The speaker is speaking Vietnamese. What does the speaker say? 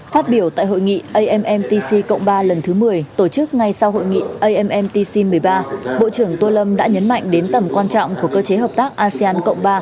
phát biểu tại hội nghị ammtc cộng ba lần thứ một mươi tổ chức ngay sau hội nghị ammtc một mươi ba bộ trưởng tô lâm đã nhấn mạnh đến tầm quan trọng của cơ chế hợp tác asean cộng ba